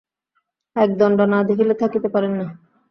এক দণ্ড না দেখিলে থাকিতে পারেন না।